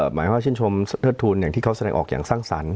หมายความชิ้นชมเทิดทุนที่เขาแสดงออกอย่างสร้างสรรค์